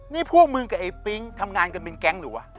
นี่พวกมึงกับไอ้ปิ๊งทำงานกันเป็นแก๊งหรือวะ